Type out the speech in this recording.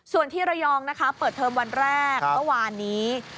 ส่วนที่ระยองนะคะเปิดเทอมวันแรกเมื่อวานนี้